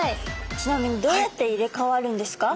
ちなみにどうやって入れかわるんですか？